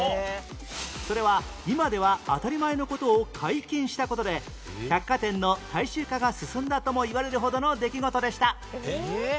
それは今では当たり前の事を解禁した事で百貨店の大衆化が進んだともいわれるほどの出来事でした